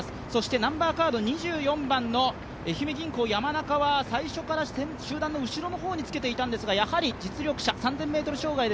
ナンバーカード２４番の愛媛銀行・山中は最初から後ろの方につけていたんですがやはり実力者、３０００ｍ障害で